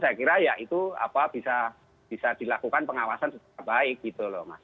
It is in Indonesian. saya kira ya itu bisa dilakukan pengawasan secara baik gitu loh mas